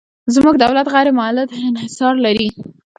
زموږ دولت غیر مولد انحصار لري.